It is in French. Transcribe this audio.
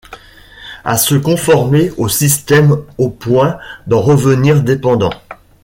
À se conformer au système au point d'en devenir dépendant.